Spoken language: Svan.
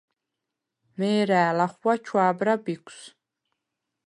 მე̄რა̄̈ლ ახღუ̂ა ჩუ̂ა̄ბრა ბიქუ̂ს.